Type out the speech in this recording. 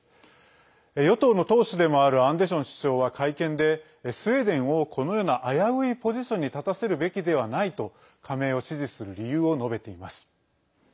与党の党首でもあるアンデション首相は会見でスウェーデンをこのような危ういポジションに立たせるべきではないと加盟を支持する理由を述べています。